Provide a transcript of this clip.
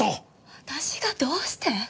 私がどうして！？